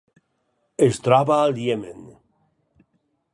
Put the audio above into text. Es troba al Iemen.